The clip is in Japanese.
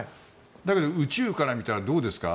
だけど、宇宙から見たらどうですか？